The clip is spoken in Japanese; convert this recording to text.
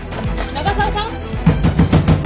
長澤さん！